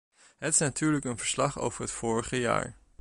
Het is natuurlijk een verslag over het vorige jaar.